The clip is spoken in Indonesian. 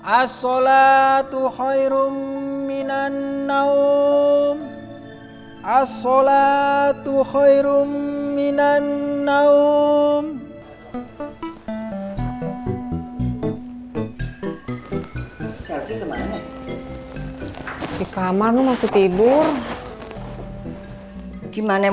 assolatu khairum minan naum